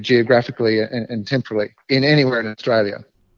geografis dan temporal di mana mana di australia